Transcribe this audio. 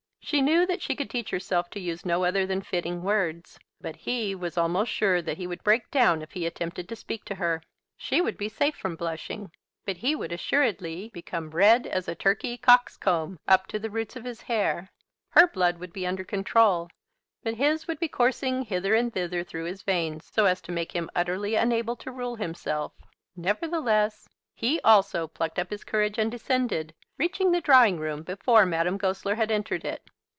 She knew that she could teach herself to use no other than fitting words; but he was almost sure that he would break down if he attempted to speak to her. She would be safe from blushing, but he would assuredly become as red as a turkey cock's comb up to the roots of his hair. Her blood would be under control, but his would be coursing hither and thither through his veins, so as to make him utterly unable to rule himself. Nevertheless, he also plucked up his courage and descended, reaching the drawing room before Madame Goesler had entered it.